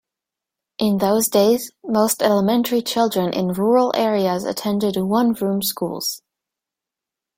In those days, most elementary children in rural areas attended one-room schools.